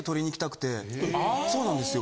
そうなんですよ。